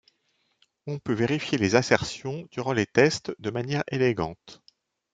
On peut vérifier les assertions durant les tests de manière élégante.